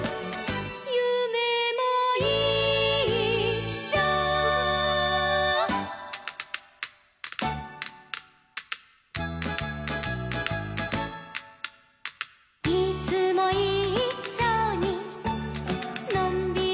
「ゆめもいっしょ」「いつもいっしょにのんびりいこうよ」